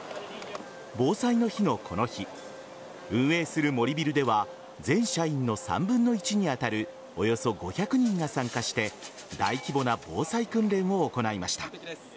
防災の日のこの日運営する森ビルでは全社員の３分の１に当たるおよそ５００人が参加して大規模な防災訓練を行いました。